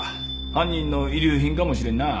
犯人の遺留品かもしれんな。